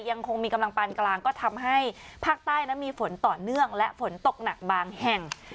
ยังคงมีกำลังปานกลางก็ทำให้ภาคใต้นั้นมีฝนต่อเนื่องและฝนตกหนักบางแห่ง